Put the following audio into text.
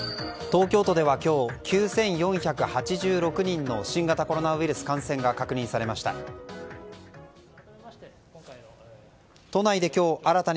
東京都では今日９４８６人の新型コロナウイルス感染が確認されました。